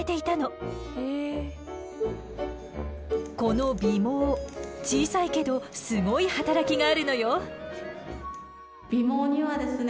この尾毛小さいけどすごい働きがあるのよ。